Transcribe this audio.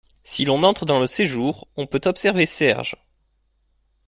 Si l’on entre dans le séjour, on peut observer Serge.